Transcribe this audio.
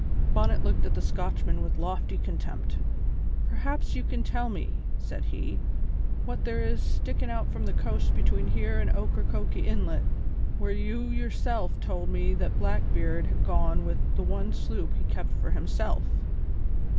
Bonnet looked at the Scotchman with lofty contempt. "Perhaps you can tell me," said he, "what there is stickin' out from the coast between here and Ocracoke Inlet, where you yourself told me that Blackbeard had gone with the one sloop he kept for himself?"